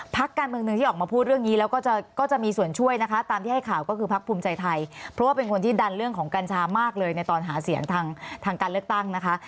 ทางการเลือกตั้งนะคะ